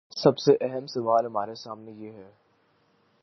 سب سے اہم سوال ہمارے سامنے یہ ہے۔